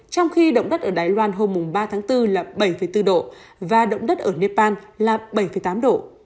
trong khi động đất ở đài loan hôm ba tháng bốn là bảy bốn độ và động đất ở nepal là bảy tám độ